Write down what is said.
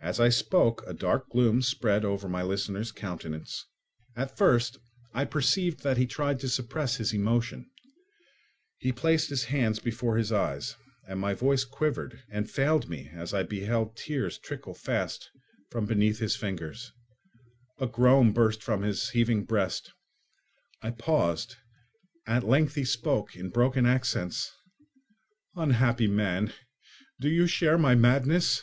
As I spoke, a dark gloom spread over my listener's countenance. At first I perceived that he tried to suppress his emotion; he placed his hands before his eyes, and my voice quivered and failed me as I beheld tears trickle fast from between his fingers; a groan burst from his heaving breast. I paused; at length he spoke, in broken accents: "Unhappy man! Do you share my madness?